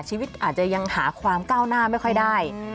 ชีวิตอาจจะยังหาความก้าวหน้าไม่ค่อยได้